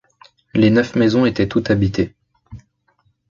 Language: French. Les neuf maisons étaient toutes habitées.